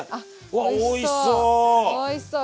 わっおいしそう！